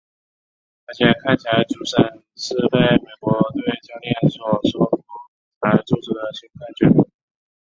而且看起来主审是被美国队教练所说服才做出新判决的。